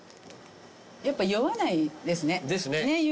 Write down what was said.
やっぱ酔わないですね。ですね。